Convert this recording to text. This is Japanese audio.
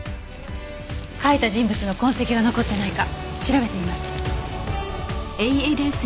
書いた人物の痕跡が残ってないか調べてみます。